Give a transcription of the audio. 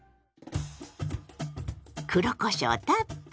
黒こしょうたっぷり！